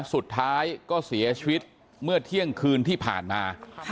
สุดท้ายก็เสียชีวิตเมื่อเที่ยงคืนที่ผ่านมา